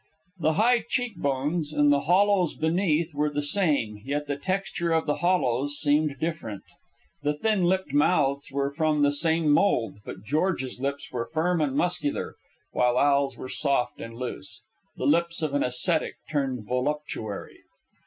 The high cheek bones with the hollows beneath were the same, yet the texture of the hollows seemed different. The thin lipped mouths were from the same mould, but George's lips were firm and muscular, while Al's were soft and loose the lips of an ascetic turned voluptuary.